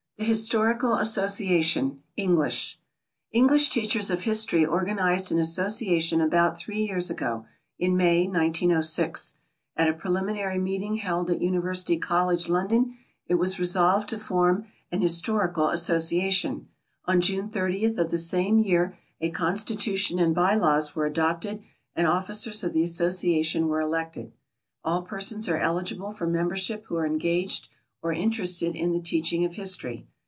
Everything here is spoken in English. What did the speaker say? THE HISTORICAL ASSOCIATION (ENGLISH). English teachers of history organized an association about three years ago, in May, 1906. At a preliminary meeting held at University College, London, it was resolved to form an Historical Association. On June 30th of the same year a constitution and by laws were adopted and officers of the Association were elected. All persons are eligible for membership who are engaged or interested in the teaching of history.